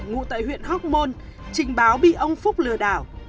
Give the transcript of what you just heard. ngụ tại huyện hóc môn trình báo bị ông phúc lừa đảo